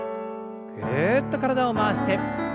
ぐるっと体を回して。